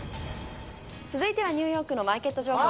続いてはニューヨークのマーケット情報です。